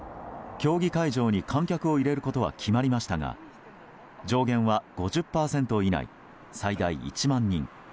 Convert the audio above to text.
競技会場に観客を入れることは決まりましたが上限は５０％以内、最大１万人。